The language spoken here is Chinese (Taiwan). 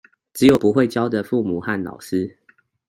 只有不會教的父母和老師